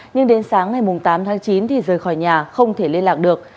nhưng đến sáng ngày tám tháng chín thì rời khỏi nhà không thể liên lạc được